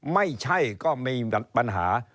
ไม่ใช่ก็มีปัญหา